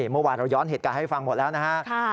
เมื่อวานเราย้อนเหตุการณ์ให้ฟังหมดแล้วนะฮะ